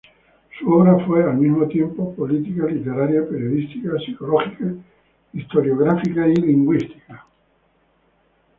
Su obra fue, al mismo tiempo, política, literaria, periodística, psicológica, historiográfica y lingüística.